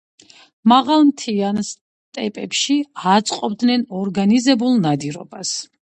მაღალმთიან სტეპებში აწყობდნენ ორგანიზებულ ნადირობას.